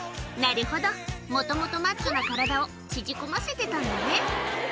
なるほどもともとマッチョな体を縮こませてたんだね